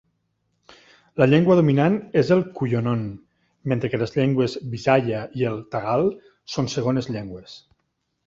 La llengua dominant és el cuyonon, mentre que les llengües bisaya i el tagal són segones llengües.